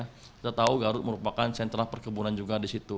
kita tahu garut merupakan sentra perkebunan juga di situ